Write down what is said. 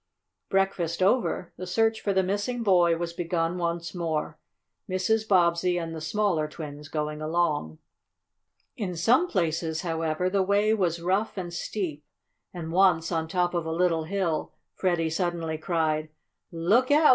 Breakfast over, the search for the missing boy was begun once more, Mrs. Bobbsey and the smaller twins going along. In some places, however, the way was rough and steep, and once on top of a little hill, Freddie suddenly cried: "Look out!